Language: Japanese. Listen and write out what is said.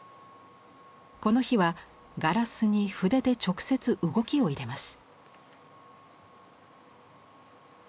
この日はガラスに筆で直接動きを入れます。